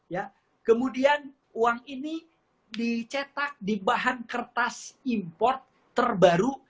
ya kemudian uang ini dicetak di bahan kertas import terbaru